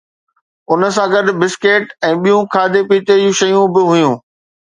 ان سان گڏ بسڪيٽ ۽ ٻيون کاڌي پيتي جون شيون به هيون